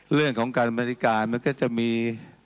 เรื่องของการบริการมันก็จะมี